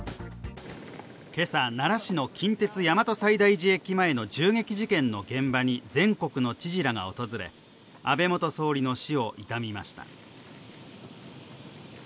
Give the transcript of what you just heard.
今朝、奈良市の近鉄大和西大寺駅前の銃撃事件の現場に全国の知事らが訪れ、安倍元総理の死を悼みました。